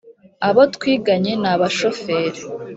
abo twiganye ni abashoferi